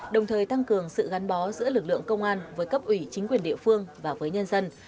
đồng thời tăng cường sự gắn bó giữa lực lượng công an với cấp ủy chính quyền địa phương và với nhân dân